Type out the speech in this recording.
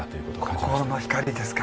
心の光ですか。